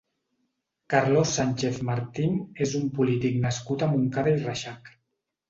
Carlos Sánchez Martín és un polític nascut a Montcada i Reixac.